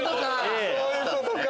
そういうことか！